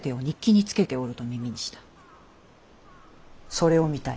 それを見たい。